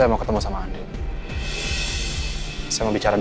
oh ada tempelin disini ya